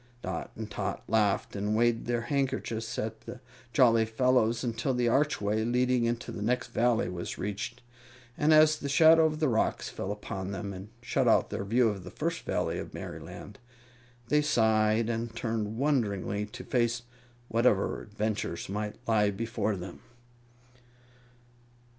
Dot and Tot laughed and waved their handkerchiefs at the jolly fellows until the archway leading into the next Valley was reached, and as the shadow of the rocks fell upon them and shut out their view of the First Valley of Merryland, they sighed and turned wonderingly to face whatever adventures might lie before them.